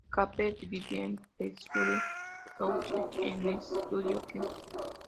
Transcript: Keppel vivía en Pleasure House, en East Sutton, Kent.